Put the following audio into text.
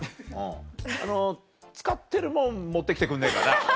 あの使ってるもん持って来てくんねえかな。